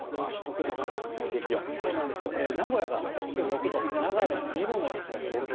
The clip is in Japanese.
そうなんですよ、名古屋が最低気温６度、長野２度の予想ということで。